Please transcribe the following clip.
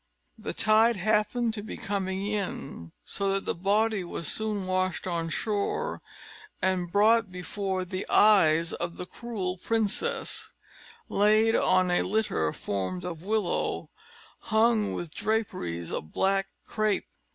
The tide happened to be coming in, so that the body was soon washed on shore, and brought before the eyes of the cruel princess, laid on a litter formed of willow, hung with draperies of black crape.